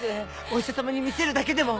お医者さまに見せるだけでも。